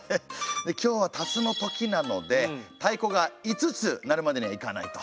で今日は「辰のとき」なので太鼓が五つ鳴るまでには行かないと。